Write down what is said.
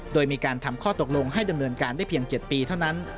โดยมีการทำข้อตกลงให้ดำเนินการได้เพียง๗ปีเท่านั้น